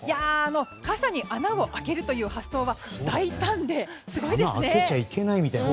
傘に穴を開けるという発想は大胆ですごいですね。